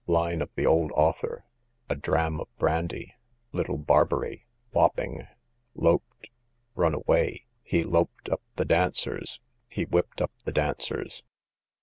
Line of the old author, a dram of brandy. Little Barbary, Wapping. Lop'd, run away; he lop'd up the dancers, he whipped up the dancers.